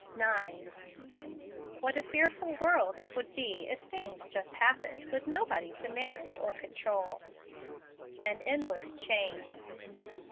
* 9. What a fearful world it would be if things just happened , with nobody to man¬ age or control! An Endless Chain.